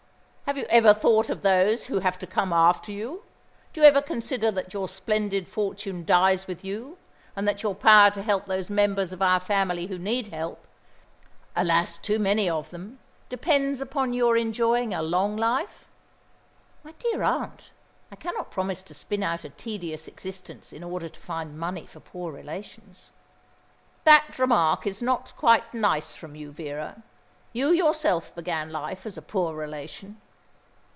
"Have you ever thought of those who have to come after you? Do you ever consider that your splendid fortune dies with you, and that your power to help those members of our family who need help alas, too many of them depends upon your enjoying a long life." "My dear aunt, I cannot promise to spin out a tedious existence in order to find money for poor relations." "That remark is not quite nice from you, Vera. You yourself began life as a poor relation."